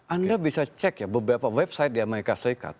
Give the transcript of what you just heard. anda bisa cek beberapa website di as